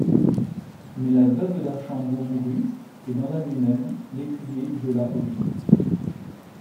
Mais la veuve d'Archambaud mourut et dans la nuit même, l'écuyer viola Odile.